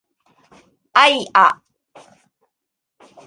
あいあ